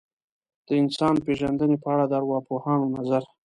د انسان پېژندنې په اړه د ارواپوهانو نظر.